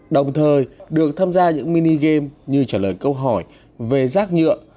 đồng thời được tham gia những mini game như trả lời câu hỏi về rác nhựa